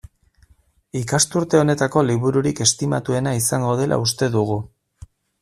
Ikasturte honetako libururik estimatuena izango dela uste dugu.